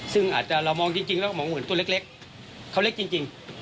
ซึ่งอาจจะเรามองจริงจริงแล้วก็มองเหมือนตัวเล็กเล็กเขาเล็กจริงจริง